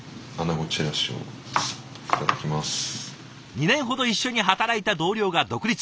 ２年ほど一緒に働いた同僚が独立。